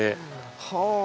はあ！